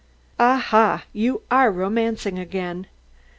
"Aha! you are romancing again.